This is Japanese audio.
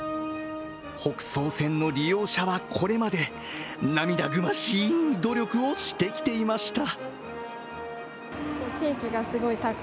北総線の利用者はこれまで涙ぐましい努力をしてきていました。